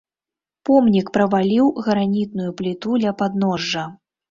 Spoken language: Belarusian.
Помнік праваліў гранітную пліту ля падножжа.